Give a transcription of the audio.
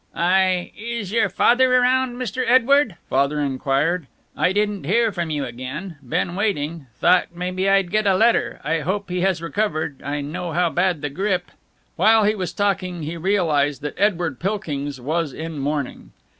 "I Is your father around, Mr. Edward?" Father inquired. "I didn't hear from you again been waiting thought maybe I'd get a letter I hope he has recovered I know how bad the grippe " While he was talking he realized that Edward Pilkings was in mourning.